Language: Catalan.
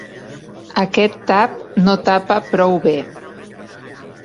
Aquest tap no tapa prou bé.